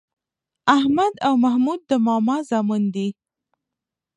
احمد او محمود د ماما زامن دي.